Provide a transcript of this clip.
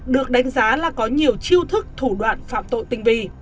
được đánh giá là có nhiều chiêu thức thủ đoạn phạm tội tình vi